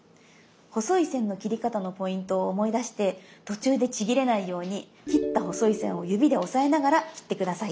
細い線の切り方のポイントを思い出して途中でちぎれないように切った細い線を指で押さえながら切って下さい。